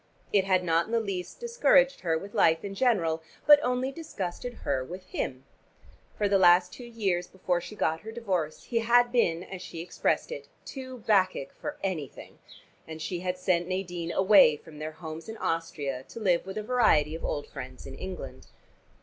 It had not in the least discouraged her with life in general, but only disgusted her with him. For the last two years before she got her divorce, he had been, as she expressed it, "too Bacchic for anything," and she had sent Nadine away from their homes in Austria to live with a variety of old friends in England.